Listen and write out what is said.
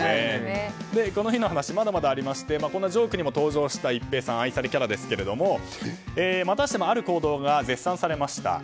この日の話はまだまだありましてこのジョークにも登場した一平さん、愛されキャラですがまたしても、ある行動が絶賛されました。